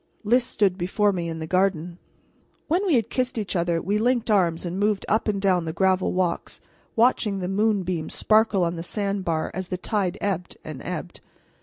Lys stood before me in the garden. When we had kissed each other, we linked arms and moved up and down the gravel walks, watching the moonbeams sparkle on the sand bar as the tide ebbed and ebbed.